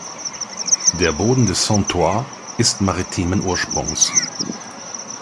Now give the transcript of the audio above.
Der Boden des Saintois ist maritimen Ursprungs.